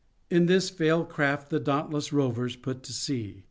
In this frail craft the dauntless rovers put to sea.